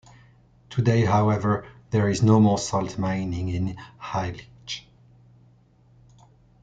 Today, however, there is no more salt mining in Halych.